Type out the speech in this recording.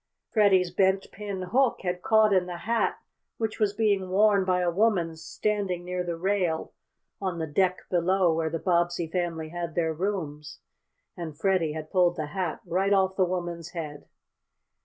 Freddie's bent pin hook had caught in the hat which was being worn by a woman standing near the rail on the deck below where the Bobbsey family had their rooms. And Freddie had pulled the hat right off the woman's head.